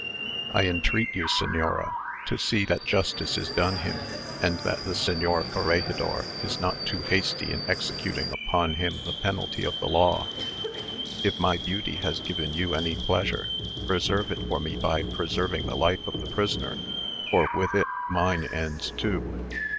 I entreat you, señora, to see that justice is done him, and that the señor corregidor is not too hasty in executing upon him the penalty of the law. If my beauty has given you any pleasure, preserve it for me by preserving the life of the prisoner, for with it mine ends too.